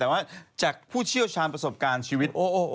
แต่ว่าจากผู้เชี่ยวชาญประสบการณ์ชีวิต